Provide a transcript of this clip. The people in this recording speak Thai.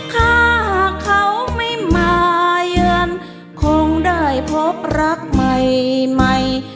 ถ้าเขาไม่มาเยือนคงได้พบรักใหม่ใหม่